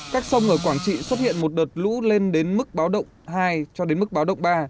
các sông ở quảng trị xuất hiện một đợt lũ lên đến mức báo động hai cho đến mức báo động ba